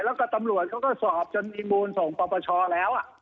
แล้วก็ตำรวจก็สอบจนที่บูรท์ส่งประปัชชอบแล้ว